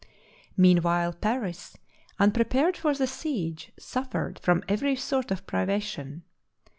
Meanwhile Paris, unprepared for the siege, suf fered from every sort of privation.